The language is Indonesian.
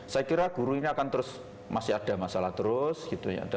saya kira guru ini akan terus masih ada masalah terus gitu ya